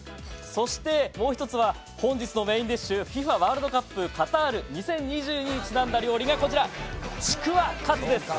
そして、もう１つは本日のメインディッシュＦＩＦＡワールドカップカタール２０２２にちなんだ料理が「ちくわカツ」。